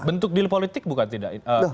bentuk deal politik bukan tidak